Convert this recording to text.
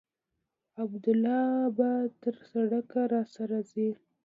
عبدالله به تر سړکه راسره ځي.